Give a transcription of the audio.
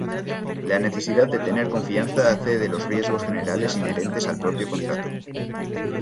La necesidad de tener confianza nace de los riesgos generales inherentes al propio contrato.